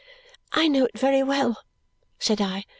"I know it very well," said I.